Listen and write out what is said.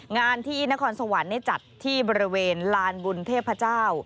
งานที่นครสวรรค์จัดที่บริเวณลานบุญเทพเจ้า